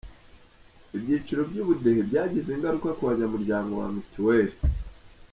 Ibyiciro by’ubudehe byagize ingaruka ku banyamuryango ba mituweli.